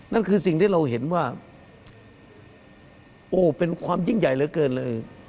นั่นคือสิ่งที่เราเห็นว่าโอ้เป็นความยิ่งใหญ่เหลือเกินเลย